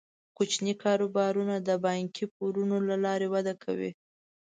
کوچني کاروبارونه د بانکي پورونو له لارې وده کوي.